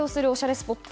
スポット